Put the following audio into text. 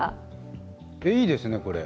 いいですね、これ。